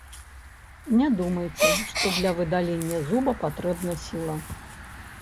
Не думайце, што для выдалення зуба патрэбна сіла.